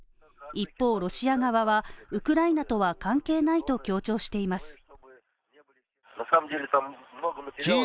一方ロシア側はウクライナとは関係ないと強調しています。